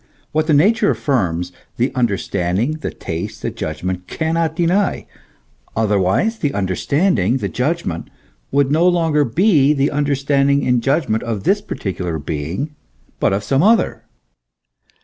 What the nature affirms, the under standing, the taste, the judgment, cannot deny ; otherwise the understanding, the judgment, would no longer he the un derstanding and judgment of this particular being, hut of some other.